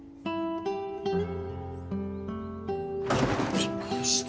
びっくりした！